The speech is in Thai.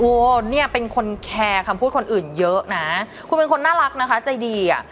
เนี่ยเป็นคนแคร์คำพูดคนอื่นเยอะนะคุณเป็นคนน่ารักนะคะใจดีอ่ะ